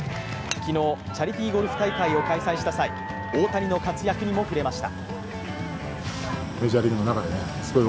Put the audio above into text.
昨日、チャリティーゴルフ大会を開催した際大谷の活躍にも触れました。